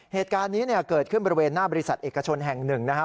เหตุการณ์นี้เนี่ยเกิดขึ้นบริเวณหน้าบริษัทเอกชนแห่งหนึ่งนะครับ